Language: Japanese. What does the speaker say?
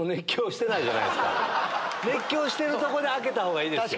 熱狂してるとこで開けたほうがいいですよ。